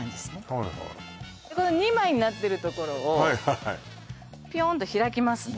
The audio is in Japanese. はいはいでこの２枚になってるところをピョーンと開きますね